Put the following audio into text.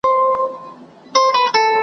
د رنګ او ښایست سیمه ده .